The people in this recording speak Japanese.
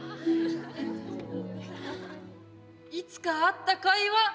いつかあった会話。